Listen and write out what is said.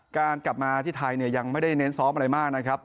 การกลับมาที่ไทยยังไม่ได้เน้นซ้อมอะไรมากนะครับ